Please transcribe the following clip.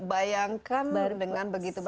bayangkan dengan begitu